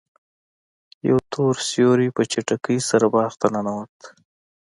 یو تور سیوری په چټکۍ سره باغ ته ننوت.